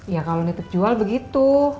ya kalau nitip jual begitu